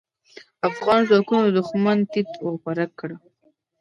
افغان ځواکونو دوښمن تيت و پرک کړ.